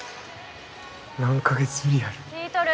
何カ月ぶりやろ聞いとる？